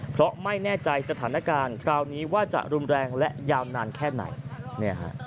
เพราะไม่แน่ใจสถานการณ์คราวนี้ว่าจะรุนแรงและยาวนานแค่ไหน